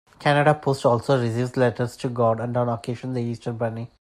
Canada Post also receives letters to God and on occasion, the Easter Bunny.